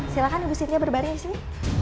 silahkan ibu sintia berbaring di sini